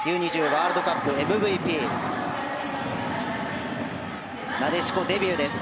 ワールドカップのＭＶＰです。